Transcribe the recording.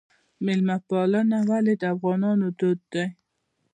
میلمه پالنه ولې د افغانانو دود دی؟